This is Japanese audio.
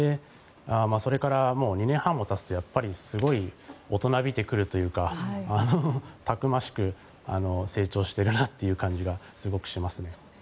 それから、もう２年半もたつとやっぱりすごい大人びてくるというかたくましく成長しているなという感じがすごくしますね。